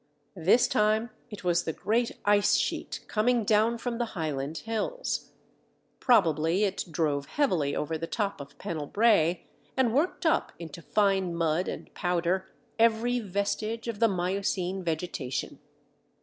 This time, it was the great Ice Sheet coming down from the Highland hills. Probably it drove heavily over the top of Pennell Brae and worked up into fine mud and powder every vestige of the miocene vegetation.